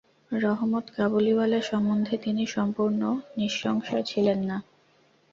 রহমত কাবুলিওয়ালা সম্বন্ধে তিনি সম্পূর্ণ নিঃসংশয় ছিলেন না।